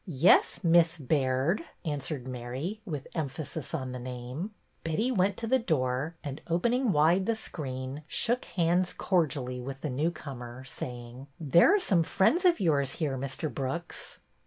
Yes, Miss Baird," answered Mary, with em phasis on the name. Betty went to the door, and opening wide the screen, shook hands cordially with the newcomer, saying :'' There are some friends of yours here, Mr. Brooks."